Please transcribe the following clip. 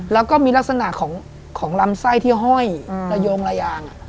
แล้วก็มีลักษณะของลำไส้ที่ห้อยระโยงระยาง